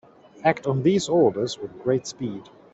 Act on these orders with great speed.